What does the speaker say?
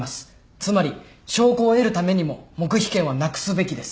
つまり証拠を得るためにも黙秘権はなくすべきです。